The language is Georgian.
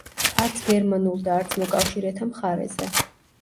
არც გერმანულ და არც მოკავშირეთა მხარეზე.